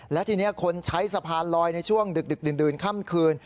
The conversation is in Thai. และทีนี้คนใช้สะพานลอยในช่วงดึกดื่นค่ำคืน